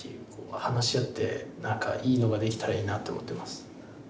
話し合って何かいいのが出来たらいいなと思ってます。